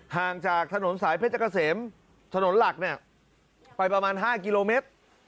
ห่างจากถนนสายเพชรเกษมถนนหลักเนี่ยไปประมาณ๕กิโลเมตร